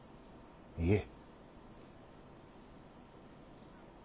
いえ。